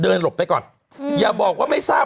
หลบไปก่อนอย่าบอกว่าไม่ทราบ